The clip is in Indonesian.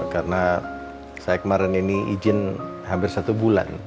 karena saya kemarin ini izin hampir satu bulan